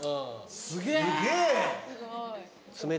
すげえ！